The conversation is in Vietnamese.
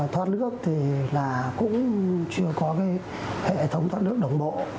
thoát nước thì là cũng chưa có cái hệ thống thoát nước đồng bộ